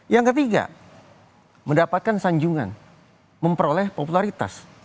yang ketiga mendapatkan sanjungan memperoleh popularitas